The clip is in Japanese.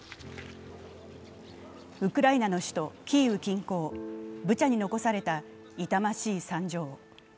ウクライナの首都キーウ近郊ブチャに残された痛ましい惨状。